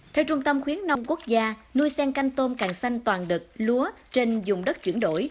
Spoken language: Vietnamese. theo trung tâm khuyến nông quốc gia nuôi sen canh tôm càng xanh toàn đực lúa trên dùng đất chuyển đổi